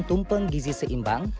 tumpeng gizi seimbang